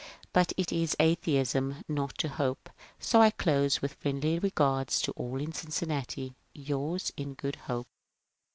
But it is Atheism not to hope. So I close with friendly regards to all in Cincinnati. — Yours in good hope.